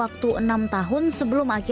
aku akan berubah